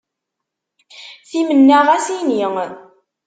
Timenna ɣas ini.